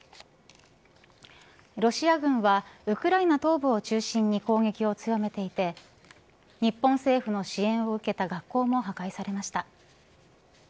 ロシア軍はウクライナ東部を中心に攻撃を強めていて日本政府の支援を受けた学校も破壊されました。